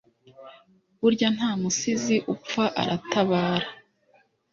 burya nta musizi upfa aratabara